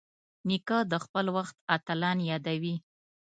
نیکه د خپل وخت اتلان یادوي.